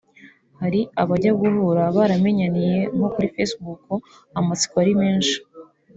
Hari abajya guhura baramenyaniye nko kuri Facebook amatsiko ari menshi